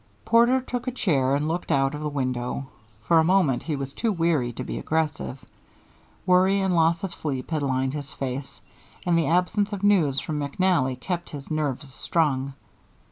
Porter took a chair and looked out of the window. For a moment he was too weary to be aggressive. Worry and loss of sleep had lined his face, and the absence of news from McNally kept his nerves strung.